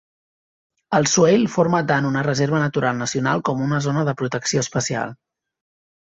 El Swale forma tant una reserva natural nacional com una zona de protecció especial.